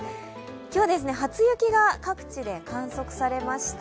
今日、初雪が各地で観測されました。